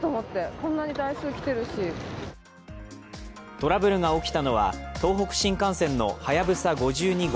トラブルが起きたのは東北新幹線の「はやぶさ５２号」